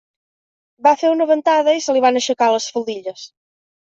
Va fer una ventada i se li van aixecar les faldilles.